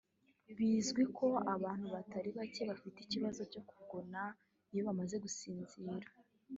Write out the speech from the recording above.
Bizwi ko abantu batari bake bafite ikibazo cyo kugona iyo bamaze gusinzira